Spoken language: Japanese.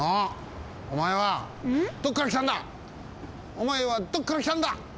おまえはどっからきたんだ？